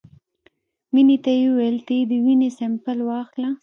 مينې ته يې وويل ته يې د وينې سېمپل واخله.